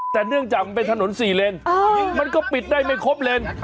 แต่เนื่องจากมันเป็นถนน๔เลนมันก็ปิดได้ไม่ครบเลน